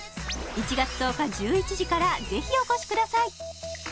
１月１０日１１時からぜひお越しください！